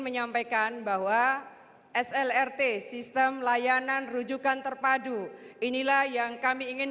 menyampaikan bahwa slrt sistem layanan rujukan terpadu inilah yang kami ingin